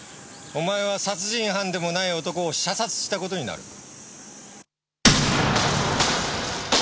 お前は殺人犯でもない男を射殺した事になる。